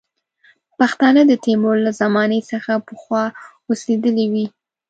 پښتانه د تیمور له زمانې څخه پخوا اوسېدلي وي.